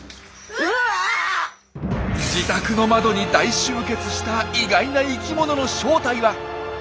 自宅の窓に大集結した意外な生きものの正体は？